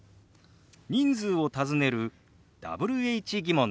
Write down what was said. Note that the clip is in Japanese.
人数を尋ねるＷｈ−疑問です。